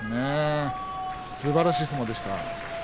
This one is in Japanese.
すばらしい相撲でした。